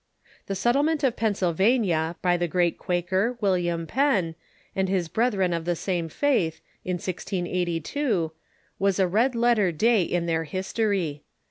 The settlement of Pennsylvania by the great Quaker, William Penn, and his brethren of the same faith, in 1682, was a red letter day in their history.